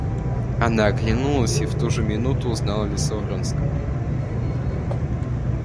Она оглянулась и в ту же минуту узнала лицо Вронского.